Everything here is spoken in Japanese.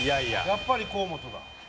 やっぱり河本だ。